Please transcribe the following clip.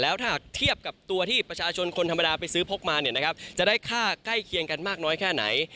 แล้วถ้าหากเทียบกับตัวที่ประชาชนคนธรรมดาไปซื้อพกมาเนี่ยนะครับจะได้ค่าใกล้เคียงกันมากน้อยแค่ไหน